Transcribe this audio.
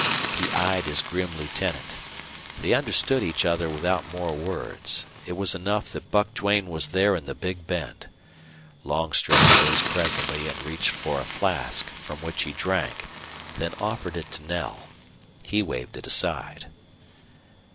He eyed his grim lieutenant. They understood each other without more words. It was enough that Buck Duane was there in the Big Bend. Longstreth rose presently and reached for a flask, from which he drank, then offered it to Knell. He waved it aside.